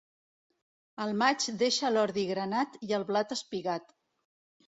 El maig deixa l'ordi granat i el blat espigat.